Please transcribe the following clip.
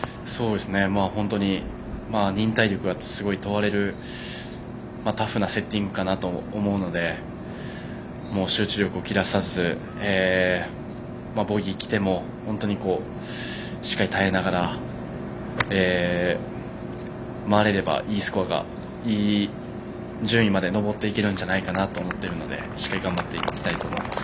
本当に忍耐力がすごい問われるタフなセッティングかなと思うので集中力を切らさず、ボギー来てもしっかり耐えながら回れればいいスコア、いい順位まで上っていけるんじゃないかと思うのでしっかり頑張っていきたいと思います。